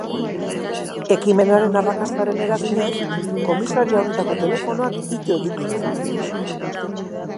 Ekimenaren arrakastaren eraginez, komisaria honetako telefonoak ito egin dira.